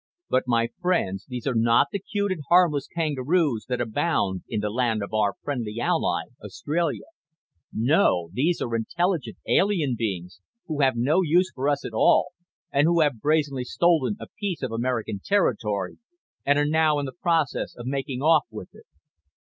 "But, my friends, these are not the cute and harmless kangaroos that abound in the land of our friendly ally, Australia. No. These are intelligent alien beings who have no use for us at all, and who have brazenly stolen a piece of American territory and are now in the process of making off with it."